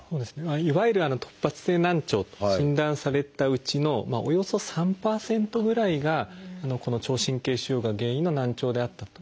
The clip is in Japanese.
いわゆる突発性難聴と診断されたうちのおよそ３％ぐらいがこの聴神経腫瘍が原因の難聴であったと。